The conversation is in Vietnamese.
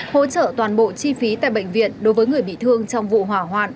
hỗ trợ toàn bộ chi phí tại bệnh viện đối với người bị thương trong vụ hỏa hoạn